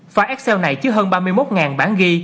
file excel này chứa hơn ba mươi một bản ghi